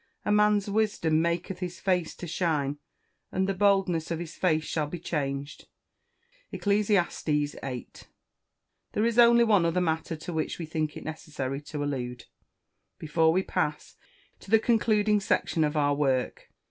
a man's wisdom maketh his face to shine, and the boldness of his face shall be changed." ECCLESIASTES VIII.] There is only one other matter to which we think it necessary to allude, before we pass to the concluding section of our work.